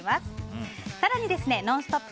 更に「ノンストップ！」